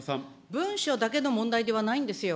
文書だけの問題ではないんですよ。